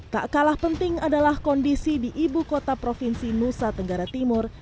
tak kalah penting adalah kondisi di ibu kota provinsi nusa tenggara timur